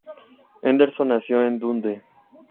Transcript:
Henderson nació en Dundee.